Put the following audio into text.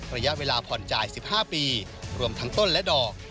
ระยะเวลาผ่อนจ่าย๑๕ปีรวมทั้งต้นและดอก